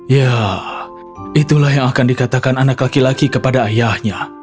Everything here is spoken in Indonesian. ya itulah yang akan dikatakan anak laki laki kepada ayahnya